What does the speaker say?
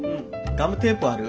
ガムテープある？